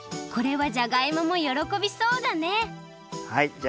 これはじゃがいももよろこびそうだねはい。